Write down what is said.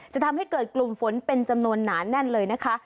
จะทำให้เกิดกลุ่มฝนเป็นจำนวนหนาแน่นเลยนะคะ